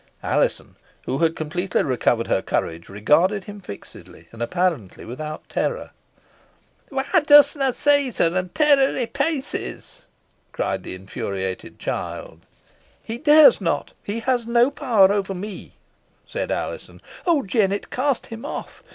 Alizon, who had completely recovered her courage, regarded him fixedly, and apparently without terror. "Whoy dusna seize her, an tear her i' pieces?" cried the infuriated child. "He dares not he has no power over me," said Alizon. "Oh, Jennet! cast him off.